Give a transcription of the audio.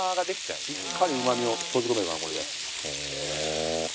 しっかりうまみを閉じ込めるからこれで。